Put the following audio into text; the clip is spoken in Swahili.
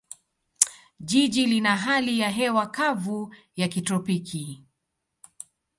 Jiji lina hali ya hewa kavu ya kitropiki.